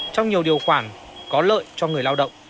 trong nhiều điều khoản có lợi cho người lao động